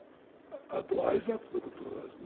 あと挨拶の事ですね。